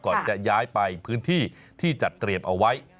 จะย้ายไปพื้นที่ที่จัดเตรียมเอาไว้